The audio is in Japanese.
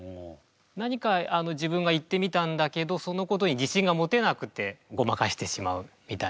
何か自分が言ってみたんだけどそのことに自信が持てなくてごまかしてしまうみたいな。